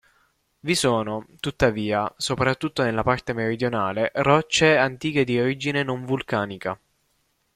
Vi sono, tuttavia, soprattutto nella parte meridionale, rocce antiche di origine non vulcanica.